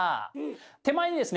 手前にですね